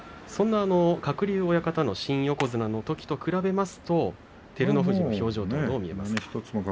鶴竜親方の新横綱のときと比べると照ノ富士の表情はどうですか？